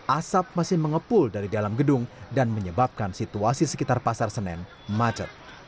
asap masih mengepul dari dalam gedung dan menyebabkan situasi sekitar pasar senen macet